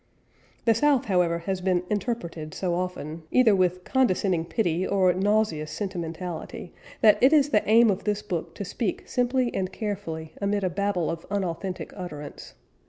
The South, however, has been "interpreted" so often, either with condescending pity or nauseous sentimentality, that it is the aim of this book to speak simply and carefully amid a babel of unauthentic utterance.